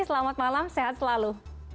selamat malam sehat selalu